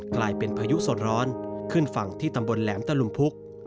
กลายเป็นพายุสดร้อนขึ้นฝั่งที่ตำบลแหลมตะลุมพุก